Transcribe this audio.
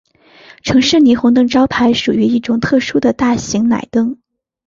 城市霓虹灯招牌属于一种特殊的大型氖灯。